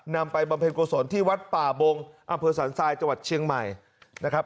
ไปบำเพ็ญกุศลที่วัดป่าบงอำเภอสันทรายจังหวัดเชียงใหม่นะครับ